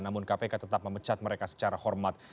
namun kpk tetap memecat mereka secara hormat